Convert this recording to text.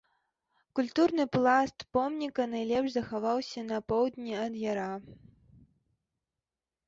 Культурны пласт помніка найлепш захаваўся на поўдні ад яра.